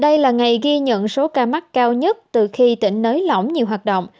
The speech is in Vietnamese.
đây là ngày ghi nhận số ca mắc cao nhất từ khi tỉnh nới lỏng nhiều hoạt động